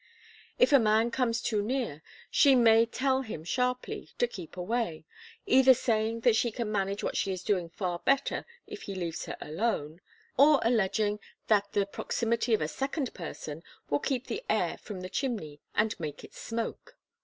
If a man comes too near, she may tell him sharply to keep away, either saying that she can manage what she is doing far better if he leaves her alone, or alleging that the proximity of a second person will keep the air from the chimney and make it smoke.